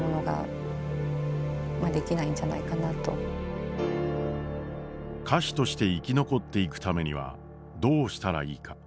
でも何かこう歌手として生き残っていくためにはどうしたらいいか。